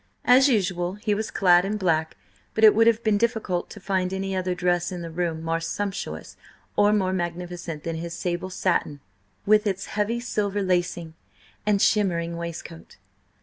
As usual, he was clad in black, but it would have been difficult to find any other dress in the room more sumptuous or more magnificent than his sable satin with its heavy silver lacing, and shimmering waistcoat.